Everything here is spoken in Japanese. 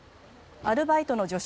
アルバイトの女子